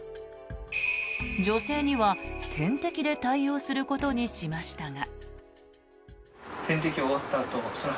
女性には点滴で対応することにしましたが。